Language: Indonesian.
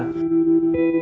ingat itu tenaga kesehatan